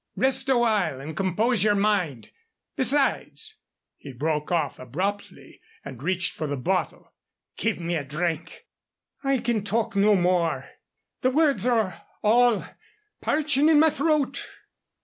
Rest awhile and compose yer mind. Besides " He broke off abruptly and reached for the bottle. "Give me a drink I can talk no more. The words are all parchin' in my throat."